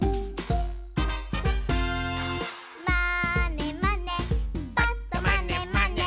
「まーねまねぱっとまねまね」